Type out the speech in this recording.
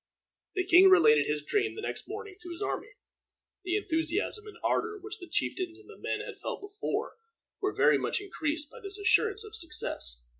The king related his dream the next morning to his army. The enthusiasm and ardor which the chieftains and the men had felt before were very much increased by this assurance of success.